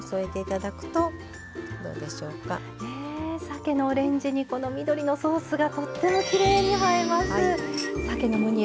えさけのオレンジにこの緑のソースがとってもきれいに映えます。